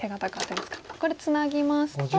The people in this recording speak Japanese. これツナぎますと。